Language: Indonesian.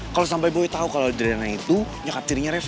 kalo sampe boy tau kalo adriana itu nyokap dirinya reva